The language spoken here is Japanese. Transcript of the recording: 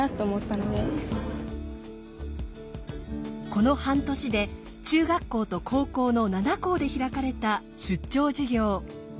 この半年で中学校と高校の７校で開かれた出張授業。